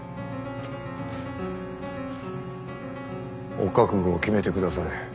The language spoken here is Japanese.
お覚悟を決めてくだされ。